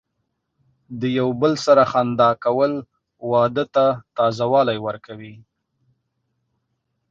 د یو بل سره خندا کول، واده ته تازه والی ورکوي.